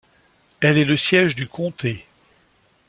Elle est le siège du comté.